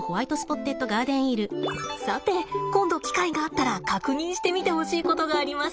さて今度機会があったら確認してみてほしいことがあります。